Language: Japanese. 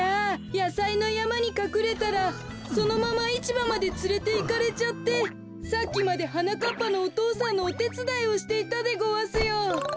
やさいのやまにかくれたらそのままいちばまでつれていかれちゃってさっきまではなかっぱのお父さんのおてつだいをしていたでごわすよ。